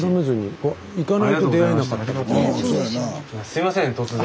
すいません突然。